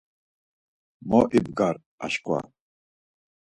Mo ibgar aşǩva!